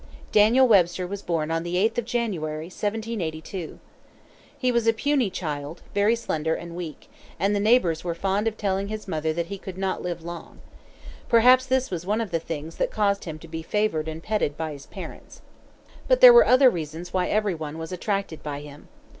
Daniel Webster was born on the 18th of January, 1782. He was a puny child, very slender and weak; and the neighbors were fond of telling his mother that he could not live long. Perhaps this was one of the things that caused him to be favored and petted by his parents. But there were other reasons why every one was attracted by him.